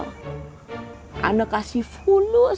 saya memberikan pulus